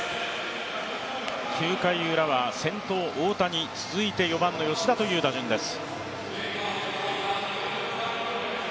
９回ウラは先頭大谷、続いて４番の吉田という打順です。